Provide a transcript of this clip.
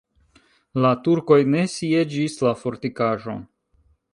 La turkoj ne sieĝis la fortikaĵon.